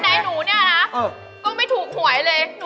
แล้วก็ไม่ถูกหวยเลย